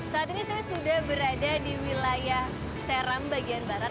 saat ini saya sudah berada di wilayah seram bagian barat